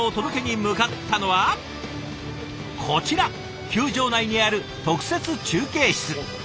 こちら球場内にある特設中継室。